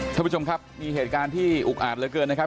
ท่านผู้ชมครับมีเหตุการณ์ที่อุกอาจเหลือเกินนะครับ